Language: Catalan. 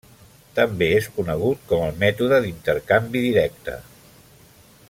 També és conegut com el mètode d'intercanvi directe.